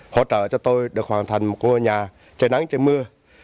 hỗ trợ cho tôi được hoàn thành một ngôi nhà trời nắng trời mưa